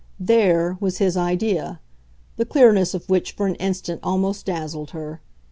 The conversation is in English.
THERE was his idea, the clearness of which for an instant almost dazzled her.